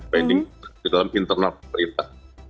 binding ke dalam internal pemerintah